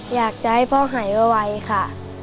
อยากจะให้พ่อหายไวค่ะ